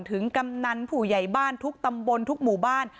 กำนันผู้ใหญ่บ้านทุกตำบลทุกหมู่บ้าน